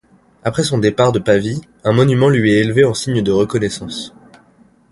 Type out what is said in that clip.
Après son départ de Pavie, un monument lui est élevé en signe de reconnaissance.